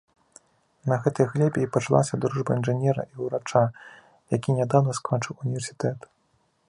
На гэтай глебе і пачалася дружба інжынера і ўрача, які нядаўна скончыў універсітэт.